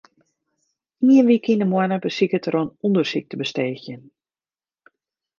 Ien wike yn 'e moanne besiket er oan ûndersyk te besteegjen.